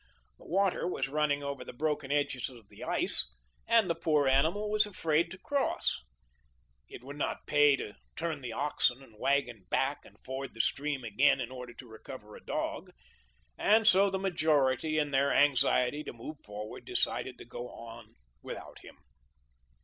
The water was running over the broken edges of the ice, and the poor animal was afraid to cross. It would not pay to turn the oxen and wagon back and ford the stream again in order to recover a dog, and so the majority, in their anxiety to move forward, decided to go on without him.